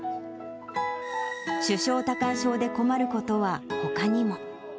手掌多汗症で困ることはほかにも。